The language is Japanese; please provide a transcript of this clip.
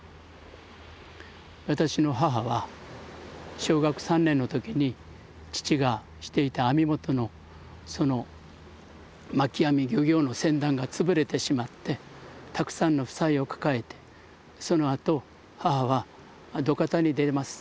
私の母は小学３年の時に父がしていた網元のその巻き網漁業の船団が潰れてしまってたくさんの負債を抱えてそのあと母は土方に出ます。